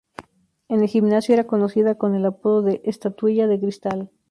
En el gimnasio era conocida con el apodo de Estatuilla de Cristal.